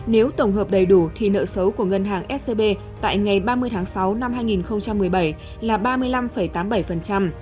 nếu tổng hợp đầy đủ thì nợ xấu của ngân hàng scb tại ngày ba mươi tháng sáu năm hai nghìn một mươi bảy là ba mươi năm tám mươi bảy